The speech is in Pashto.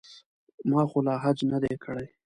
ما خو لا حج نه دی کړی.